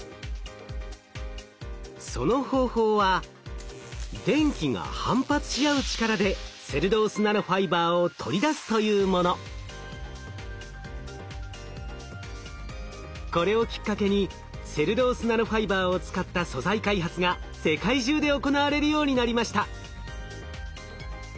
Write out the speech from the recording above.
その方法はこれをきっかけにセルロースナノファイバーを使った素材開発が世界中で行われるようになりました。